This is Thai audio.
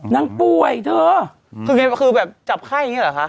น้างป่วยเท่าจริงเหมือนกับจับไข้นี้หรอค่ะ